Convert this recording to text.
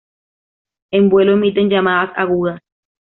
En vuelo emiten llamadas agudas.